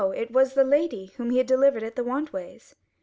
it was the Lady whom he had delivered at the want ways.